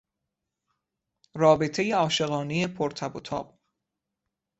رابطهی عاشقانهی پر تب و تاب